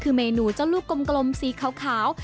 คือเมนูเจ้าลูกกลมสีขาว